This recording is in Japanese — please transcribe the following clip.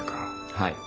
はい。